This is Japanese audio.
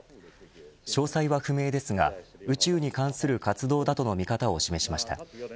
詳細は不明ですが宇宙に関する活動だとの見方を示しました。